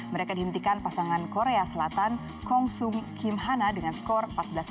mereka dihentikan pasangan korea selatan kong sung kim hana dengan skor empat belas dua puluh satu enam belas dua puluh satu